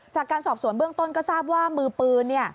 จากการสอบสวนเบื้องต้นก็ทราบว่ามือปืน